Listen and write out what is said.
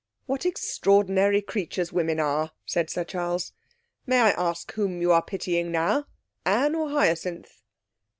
'What extraordinary creatures women are!' said Sir Charles. 'May I ask whom you are pitying now, Anne or Hyacinth?'